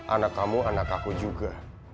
anak kamu anak aku juga